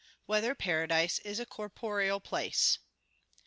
1] Whether Paradise Is a Corporeal Place?